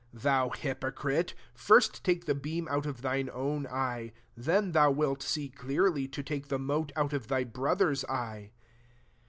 5 Thou hypocrite, first take the beam out of thine own eye; then thou wilt see clearly to take the mote out of thy brother's eye.